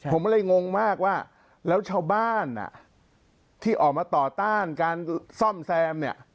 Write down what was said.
ผมก็เลยงงมากว่าแล้วชาวบ้านที่ออกมาต่อต้านการซ่อมแซมเนี่ย